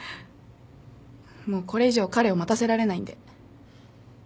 もうこれ以上彼を待たせられないんで。